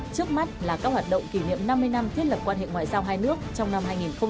trước mắt là các hoạt động kỷ niệm năm mươi năm thiết lập quan hệ ngoại giao hai nước trong năm hai nghìn hai mươi